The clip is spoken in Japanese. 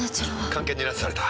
菅研に拉致された。